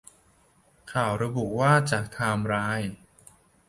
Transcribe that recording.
ข่าวระบุว่าจากไทม์ไลน์